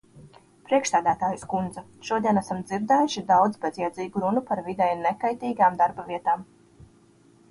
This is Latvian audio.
Priekšsēdētājas kundze, šodien esam dzirdējuši daudz bezjēdzīgu runu par videi nekaitīgākām darba vietām.